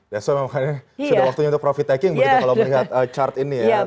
ya sudah waktunya untuk profit taking kalau melihat chart ini ya